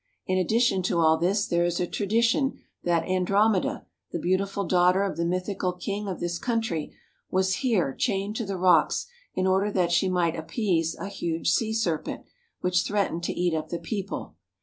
In ad dition to all this there is a tradition that Andromeda, the beautiful daughter of the mythical king of this country, was here chained to the rocks in order that she might appease a huge sea serpent which threatened to eat up the people.